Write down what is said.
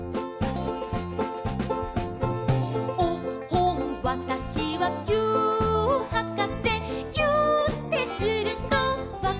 「おっほんわたしはぎゅーっはかせ」「ぎゅーってするとわかるのよ」